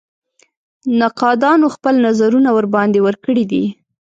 نقادانو خپل نظرونه ورباندې ورکړي دي.